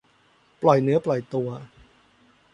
ปล่อยเนื้อปล่อยตัว